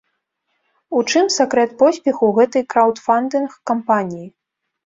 У чым сакрэт поспеху гэтай краўдфандынг-кампаніі?